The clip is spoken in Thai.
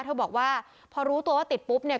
เธอบอกว่าพอรู้ตัวว่าติดปุ๊บเนี่ย